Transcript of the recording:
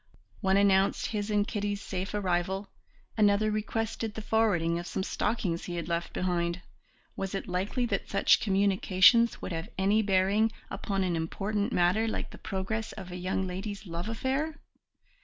One announced his and Kitty's safe arrival, another requested the forwarding of some stockings he had left behind; was it likely that such communications would have any bearing upon an important matter like the progress of a young lady's love affair?